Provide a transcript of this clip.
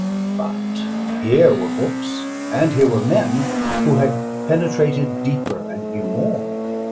But here were books, and here were men who had penetrated deeper and knew more.